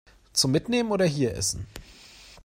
Zum Mitnehmen oder hier essen?